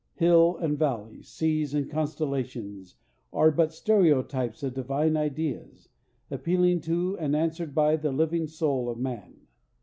Hill and valley, seas and constellations are but stereotypes of divine ideas, appealing to and answered by the living soul of man.